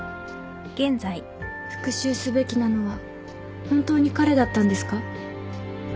復讐すべきなのは本当に彼だったんですか？